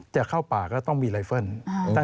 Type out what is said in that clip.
จะเข้าป่าก็ต้องมีไลเฟิล